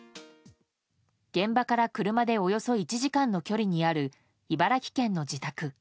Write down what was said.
現場から車でおよそ１時間の距離にある茨城県の自宅。